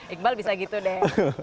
iqbal bisa gitu deh